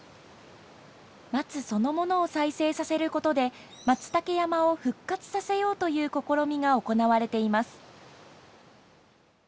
松そのものを再生させることでマツタケ山を復活させようという試みが行われています。